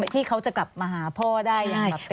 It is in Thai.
ที่เขาจะกลับมาหาพ่อได้อย่างแบบ